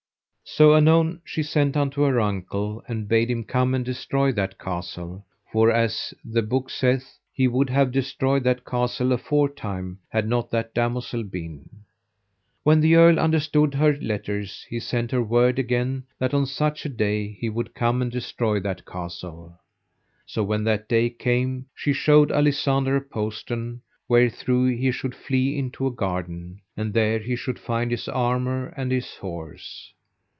So anon she sent unto her uncle and bade him come and destroy that castle, for as the book saith, he would have destroyed that castle afore time had not that damosel been. When the earl understood her letters he sent her word again that on such a day he would come and destroy that castle. So when that day came she showed Alisander a postern wherethrough he should flee into a garden, and there he should find his armour and his horse.